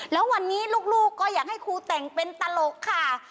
แล้ววันนี้ลูกก็อยากให้ครูแต่งเป็นตลกค่ะ